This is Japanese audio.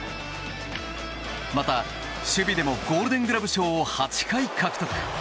また、守備でもゴールデン・グラブ賞を８回獲得。